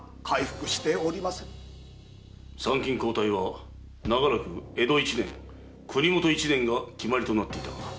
〔参勤交代は長らく江戸一年国もと一年が決まりとなっていた〕